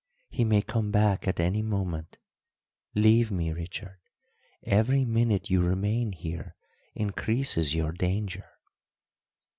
He may come back at any moment. Leave me, Richard; every minute you remain here increases your danger."